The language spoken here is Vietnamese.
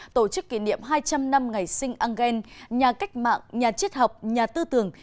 tổ chức kỷ niệm hai trăm linh năm ngày sinh engel nhà cách mạng nhà triết học nhà tư tưởng